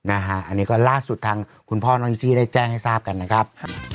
อันนี้ก็ล่าสุดทางคุณพ่อน้องนิจี้ได้แจ้งให้ทราบกันนะครับ